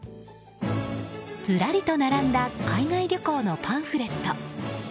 ずらりと並んだ海外旅行のパンフレット。